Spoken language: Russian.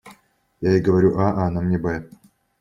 Я ей говорю «а», она мне «бэ»!